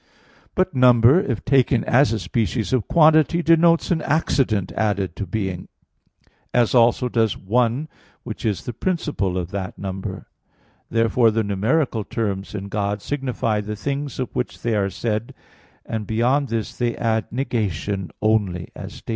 But number, if taken as a species of quantity, denotes an accident added to being; as also does "one" which is the principle of that number. Therefore the numeral terms in God signify the things of which they are said, and beyond this they add negation only, as stated (Sent.